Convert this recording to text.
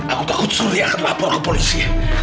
aku takut suri akan lapor ke polisi